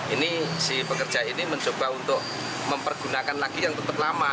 ini si pekerja ini mencoba untuk mempergunakan lagi yang tetap lama